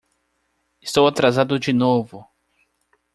Estou atrasado de novo!